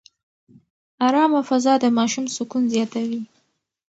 ارامه فضا د ماشوم سکون زیاتوي.